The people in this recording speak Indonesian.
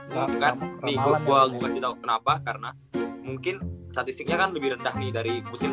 nanti gua kasih tahu kenapa karena mungkin statistiknya kan lebih rendah nih dari musim